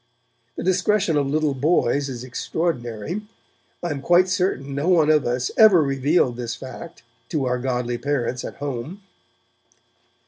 The discretion of little boys is extraordinary. I am quite certain no one of us ever revealed this fact to our godly parents at home.